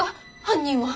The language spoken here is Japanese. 犯人は。